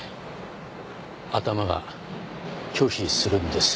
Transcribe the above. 頭が拒否するんです。